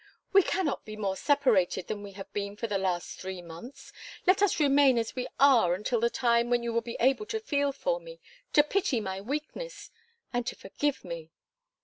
We cannot be more separated than we have been for the last three months. Let us remain as we are until the time when you will be able to feel for me to pity my weakness and to forgive me."